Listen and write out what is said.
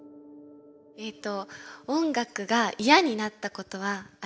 えっと音楽が嫌になったことはありますか？